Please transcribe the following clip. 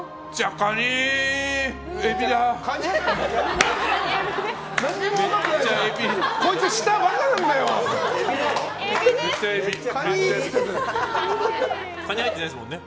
カニ入ってないですもんね。